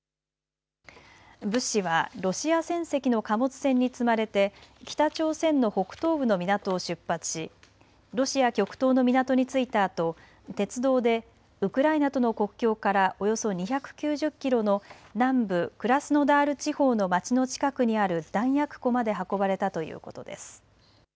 物資はロシア船籍の貨物船に積まれて北朝鮮の北東部の港を出発しロシア極東の港に着いたあと鉄道でウクライナとの国境からおよそ２９０キロの南部クラスノダール地方の町の近くにある弾薬庫まで運ばれたということです。